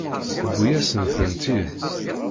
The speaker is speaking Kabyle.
Tewwi-yasen-tent-id.